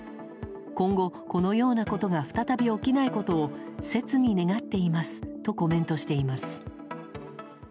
今後このようなことが再び起きないことを切に願っていますとコメントしています。